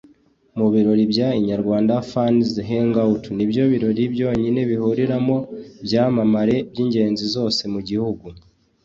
mu birori bya Inyarwanda Fans Hangout nibyo birori byonyine bihuriramo ibyamamare by’ingeri zose mu gihugu